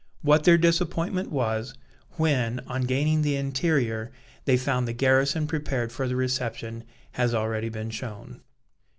What their disappointment was, when, on gaining the interior, they found the garrison prepared for their reception, has already been shown.